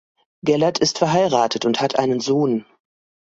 Gellert ist verheiratet und hat einen Sohn.